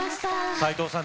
齋藤さん